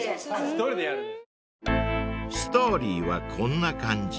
［ストーリーはこんな感じ］